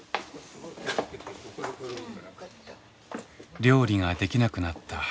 料理ができなくなった母。